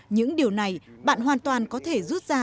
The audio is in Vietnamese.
những điều này bạn hoàn toàn có thể rút ra